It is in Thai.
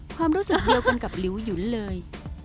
ความรู้สึกเดียวกันกับหลิวหยุนเลย